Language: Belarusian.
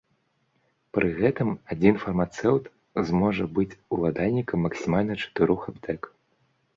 Пры гэтым адзін фармацэўт зможа быць уладальнікам максімальна чатырох аптэк.